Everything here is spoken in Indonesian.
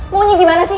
monyi gimana sih